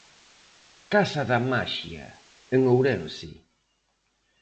'Casa da Maxia', en Ourense.